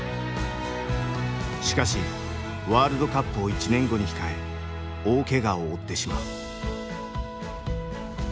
しかしワールドカップを１年後に控え大けがを負ってしまう。